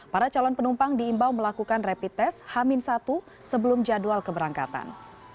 para calon penumpang diimbau melakukan rapid test hamin satu sebelum jadwal keberangkatan